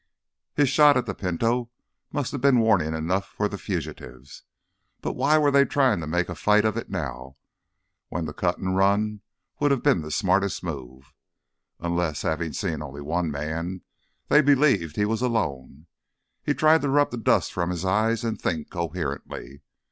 His shot at the Pinto must have been warning enough for the fugitives. But why were they trying to make a fight of it now, when to cut and run would have been the smartest move? Unless, having seen only one man, they believed he was alone. He tried to rub the dust from his eyes and think coherently.